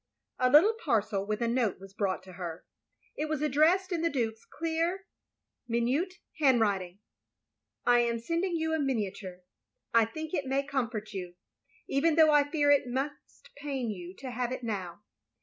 A little parcel with a note was brought to her. It was addressed in the Duke's clear, minute handwriting. "/ am sending you a miniature. I think it may comfort you, even though I fear it must pain you to have it now.